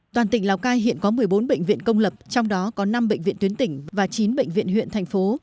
toàn tỉnh lào cai hiện có một mươi bốn bệnh viện công lập trong đó có năm bệnh viện tuyến tỉnh và chín bệnh viện huyện thành phố